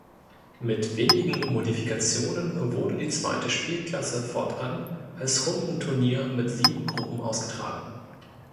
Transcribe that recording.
Mit wenigen Modifikationen wurde die zweite Spielklasse fortan als Rundenturnier mit sieben Gruppen ausgetragen.